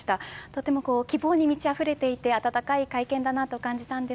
とても希望に満ちあふれていて温かい会見だなと感じました。